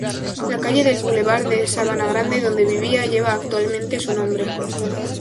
La calle del Boulevard de Sabana Grande donde vivía lleva actualmente su nombre.